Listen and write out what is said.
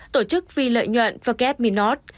tổ chức phi lợi nhuận forget me not